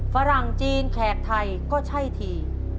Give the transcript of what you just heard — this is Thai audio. ฝรั่งจีนแขกไทยก็ใช่ที